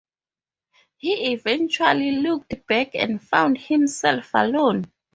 He eventually looked back and found himself alone.